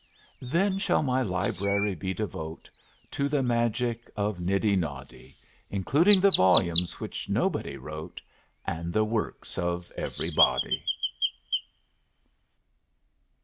Then shall my library be devote To the magic of Niddy Noddy, Including the volumes which Nobody wrote And the works of Everybody.